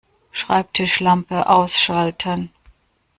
Schreibtischlampe ausschalten